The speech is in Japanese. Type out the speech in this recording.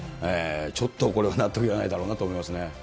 ちょっとこれは納得いかないだろうなと思いますね。